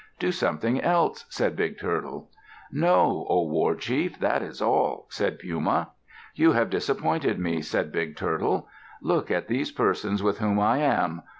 "Do something else," said Big Turtle. "No, O war chief; that is all," said Puma. "You have disappointed me," said Big Turtle. "Look at these persons with whom I am.